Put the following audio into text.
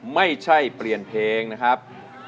ไม่ใช่เปลี่ยนเพลงนะครับ